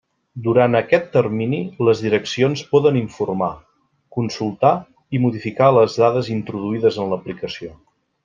Durant aquest termini, les direccions poden informar, consultar i modificar les dades introduïdes en l'aplicació.